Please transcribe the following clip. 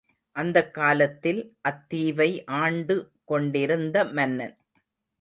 அந்தக் காலத்தில் அத்தீவை ஆண்டுகொண்டிருந்த மன்னன்.